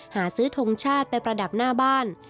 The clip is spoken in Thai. หาซื้อทงชาติไปประดับหน้าบ้าน